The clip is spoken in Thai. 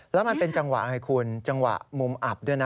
แล้วมันเป็นจังหวะไงคุณจังหวะมุมอับด้วยนะ